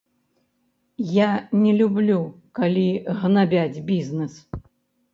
Я не люблю, калі гнабяць бізнэс.